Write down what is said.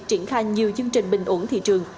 triển khai nhiều chương trình bình ổn thị trường